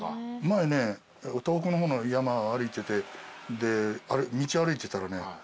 前ね東北の方の山歩いててで道歩いてたらね